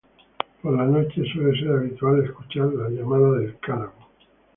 Por la noche suele ser habitual escuchar la llamada del cárabo.